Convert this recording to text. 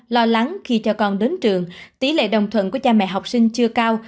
lo lắng khi cho con đến trường tỷ lệ đồng thuận của cha mẹ học sinh chưa cao